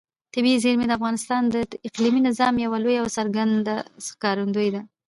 طبیعي زیرمې د افغانستان د اقلیمي نظام یوه لویه او څرګنده ښکارندوی ده.